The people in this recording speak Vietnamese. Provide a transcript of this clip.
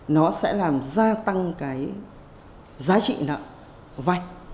nó sẽ làm gia tăng cái giá trị nợ vay